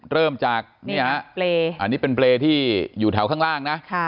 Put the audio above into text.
เริ่มจากเปรย์อันนี้เป็นเปรย์ที่อยู่แถวข้างล่างนะ